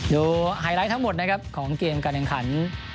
ไฮไลท์ทั้งหมดนะครับของเกมการแข่งขัน